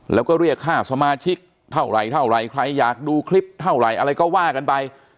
แล้วก็เรียกค่าสมาชิกเท่าไหร่เท่าไหร่ใครอยากดูคลิปเท่าไหร่อะไรก็ว่ากันไป